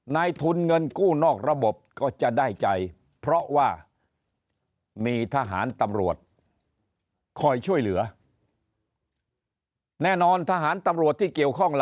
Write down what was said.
นายทุนเงินกู้นอกระบบก็จะได้ใจเพราะว่ามีทหารตำรวจคอยช่วยเหลือแน่นอนทหารตำรวจที่เกี่ยวข้อง